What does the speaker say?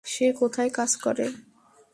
সে কোথায় কাজ করে?